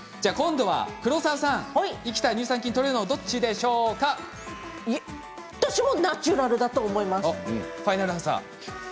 黒沢さん、生きた乳酸菌がとれるチーズはどっちだったか私もナチュラルだと思います。